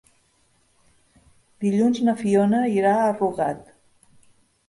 Dilluns na Fiona irà a Rugat.